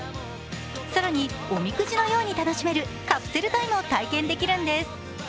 更に、おみくじのように楽しめるカプセルトイも体験できるんです。